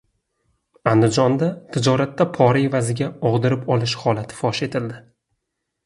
Andijonda tijoratda pora evaziga og‘dirib olish holati fosh etildi